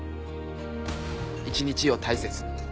一日を大切に。